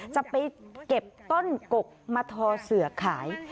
จะไปเก็บต้นกกมาทอเสือขาย